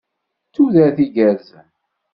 D tudert igerrzen.